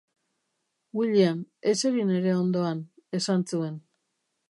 William, eseri nere ondoan, esan zuen.